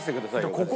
ここ。